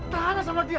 tahanlah sama dia